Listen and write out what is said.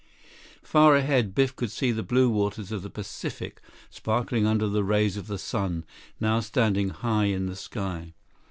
Far ahead, Biff could see the blue waters of the Pacific, sparkling under the rays of the sun, now standing high in the sky.